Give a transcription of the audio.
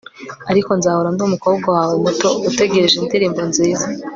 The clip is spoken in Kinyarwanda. ariko nzahora ndi umukobwa wawe muto utegereje indirimbo nziza